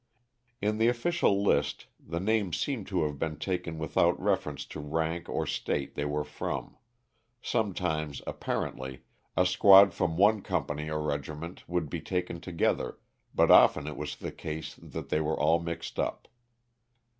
In the official list the names seem to have been taken without reference to rank or State they were from; sometimes, apparently, a squad from one company or regiment would be taken together, but often it was the case that they were all mixed up.